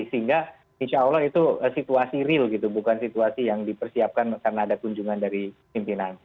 sehingga insya allah itu situasi real gitu bukan situasi yang dipersiapkan karena ada kunjungan dari pimpinan